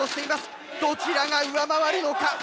どちらが上回るのか？